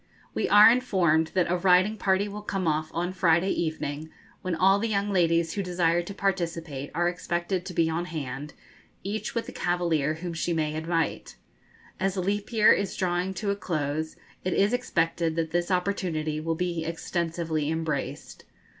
We are informed that a riding party will come off on Friday evening, when all the young ladies who desire to participate are expected to be on hand, each with the cavalier whom she may invite. As leap year is drawing to a close it is expected that this opportunity will be extensively embraced.